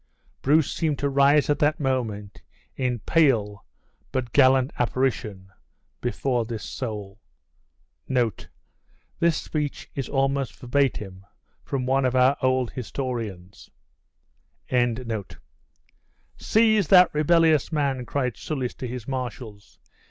Bruce seemed to rise at that moment in pale but gallant apparition before his soul. This speech is almost verbatim from one of our old historians. "Seize that rebellious man," cried Soulis to his marshals.